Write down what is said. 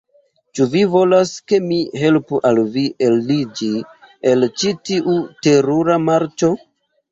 Ĉu vi volas, ke mi helpu al vi eliĝi el ĉi tiu terura marĉo?